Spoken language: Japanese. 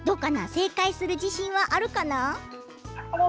せいかいするじしんはあるかな？